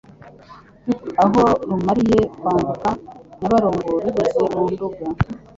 Aho rumariye kwambuka Nyabarongo rugeze mu Nduga,